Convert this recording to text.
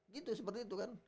gitu seperti itu kan